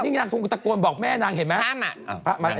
นี่นางทงก็ตะโกนบอกแม่นางเห็นไหม